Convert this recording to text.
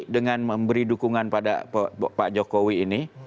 dengan memberi dukungan pada pak jokowi ini